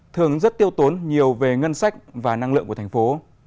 thường rất tiêu tốn nhiều về ngân sách và năng lượng của thành phố